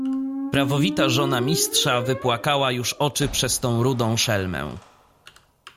"Prawowita żona Mistrza wypłakała już oczy przez tą rudą szelmę."